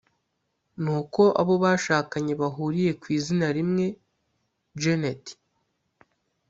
ni uko abo bashakanye bahuriye ku izina rimwe Janet